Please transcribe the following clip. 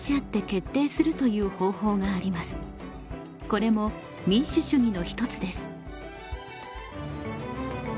これも民主主義の一つです。